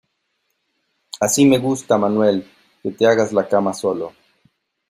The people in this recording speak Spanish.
Así me gusta, Manuel, que te hagas la cama solo.